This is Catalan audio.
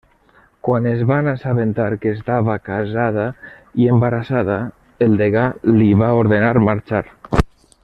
Quan es van assabentar que estava casada i embarassada, el degà li va ordenar marxar.